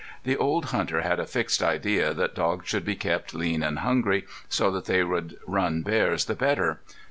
The old hunter had a fixed idea that dogs should be kept lean and hungry so they would run bears the better.